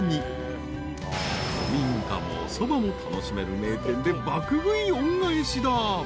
［古民家もおそばも楽しめる名店で爆食い恩返しだ］